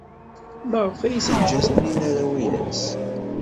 Maɣef ay teǧǧa Taninna arraw-nnes?